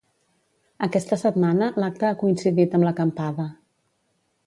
Aquesta setmana, l’acte ha coincidit amb l’acampada.